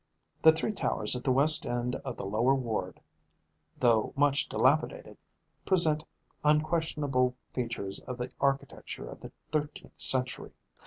The three towers at the west end of the lower ward, though much dilapidated, present unquestionable features of the architecture of the thirteenth century.